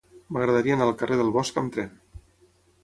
M'agradaria anar al carrer del Bosc amb tren.